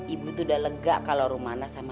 ibu tuh udah lega kalau rumana sama